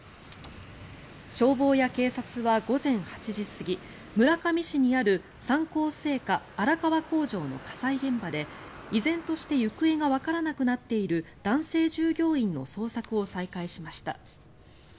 消防や警察は午前８時過ぎ村上市にある三幸製菓荒川工場の火災現場で依然として行方がわからなくなっている男性従業員の捜索を再開しました。